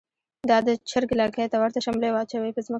دا د چر ګ لکۍ ته ورته شملی واچوی په ځمکه